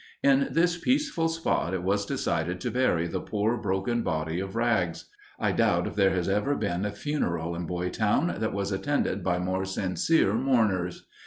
In this peaceful spot it was decided to bury the poor, broken body of Rags. I doubt if there has ever been a funeral in Boytown that was attended by more sincere mourners.